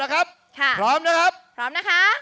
แล้วพี่สมลักษณ์ก็ส่งต่อนะครับ